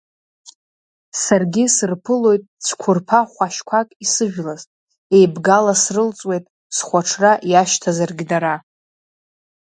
Саргьы сырԥылоит цәқәырԥа хәашьқәак исыжәлаз, еибгала срылҵуеит схәаҽра иашьҭазаргь дара.